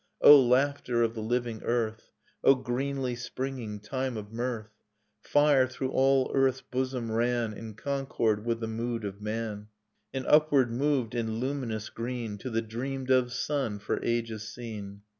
O laughter of the living earth, O greenly springing time of mirth ! Fire through all earth's bosom ran In concord with the mood of man, And upward moved in luminous green To the dreamed of sun for ages seen.